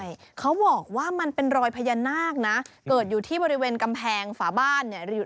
ใช่เขาบอกว่ามันเป็นรอยพญานาคนะเกิดอยู่ที่บริเวณกำแพงฝาบ้านเนี่ย